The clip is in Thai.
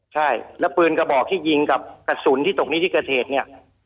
ใช่แล้วปืนกระบอกที่ยิงกับกระสุนที่ตกนี้ที่เกิดเหตุเนี่ย